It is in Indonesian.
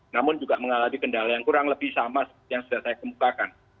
namun juga mengalami kendala yang kurang lebih sama seperti yang sudah saya kemukakan